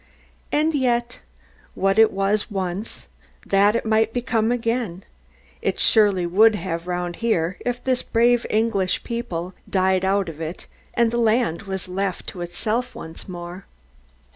And yet, what it was once, that it might become again, it surely would round here, if this brave English people died out of it, and the land was left to itself once more.